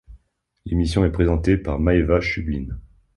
L'émission est présentée par Maeva Schublin.